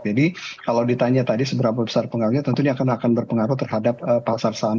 jadi kalau ditanya tadi seberapa besar pengaruhnya tentunya akan berpengaruh terhadap pasar saham